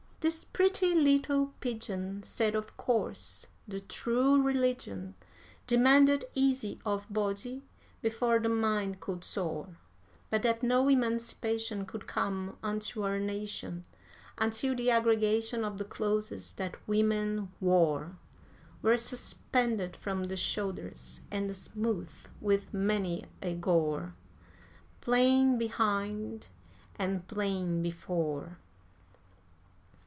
This pretty little pigeon said of course the true religion Demanded ease of body before the mind could soar; But that no emancipation could come unto our nation Until the aggregation of the clothes that women wore Were suspended from the shoulders, and smooth with many a gore, Plain behind and plain before!